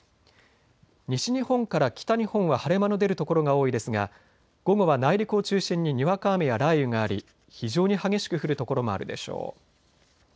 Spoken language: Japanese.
西日本から北日本は晴れ間の出る所が多いですが午後は内陸を中心ににわか雨や雷雨があり非常に激しく降る所もあるでしょう。